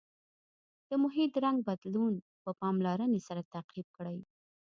د محیط رنګ بدلون په پاملرنې سره تعقیب کړئ.